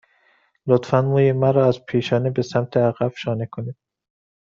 لطفاً موی مرا از پیشانی به سمت عقب شانه کنید.